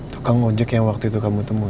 tukang ojek yang waktu itu kamu temui